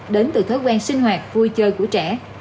đến từ thói quen sinh hoạt vui chơi của trẻ